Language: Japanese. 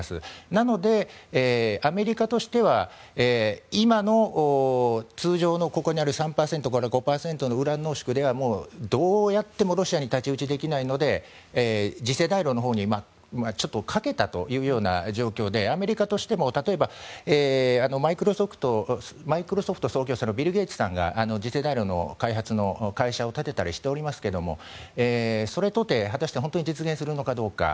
なので、アメリカとしては今の通常の３％から５％のウラン濃縮ではどうやってもロシアに太刀打ちできないので次世代炉のほうに賭けたという状況でアメリカとしても例えばマイクロソフト創業者のビル・ゲイツさんが次世代炉の開発の会社を建てたりしておりますがそれとて果たして本当に実現するのかどうか。